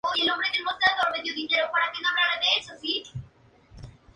Ejemplos significativos se encontraban en Londres, Bradford, Hull y Glasgow.